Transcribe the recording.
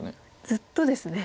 ずっとですね。